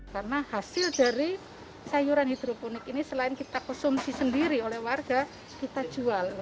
karena hasil dari sayuran hidroponik ini selain kita konsumsi sendiri oleh warga kita jual